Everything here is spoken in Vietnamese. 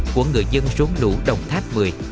của người dân rốn lũ đồng tháp một mươi